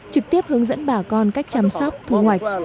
trực tiếp hướng dẫn bà con cách chăm sóc thu hoạch